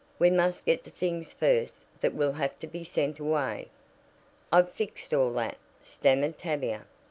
We must get the things first that will have to be sent away." "I've fixed all that," stammered Tavia.